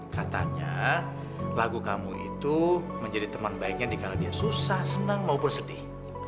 katanya lagu kamu itu menjadi teman baiknya dikala dia susah senang maupun sedih